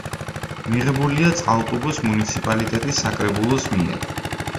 მიღებულია წყალტუბოს მუნიციპალიტეტის საკრებულოს მიერ.